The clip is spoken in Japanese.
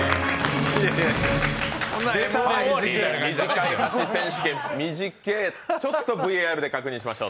短い箸選手権、短けえ、ＶＡＲで確認しましょう。